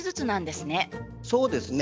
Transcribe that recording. そうですね。